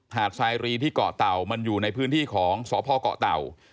ดสายรีที่เกาะเต่ามันอยู่ในพื้นที่ของสพเกาะเต่า